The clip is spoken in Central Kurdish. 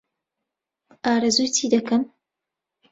ئارەزووی چی دەکەن؟